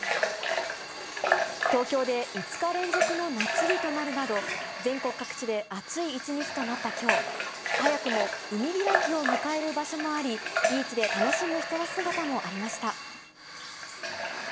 東京で５日連続の夏日となるなど、全国各地で暑い一日となったきょう、早くも海開きを迎える場所もあり、ビーチで楽しむ人の姿もありました。